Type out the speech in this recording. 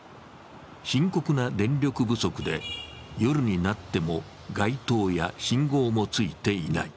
深刻な電力不足で、夜になっても街灯や信号もついていない。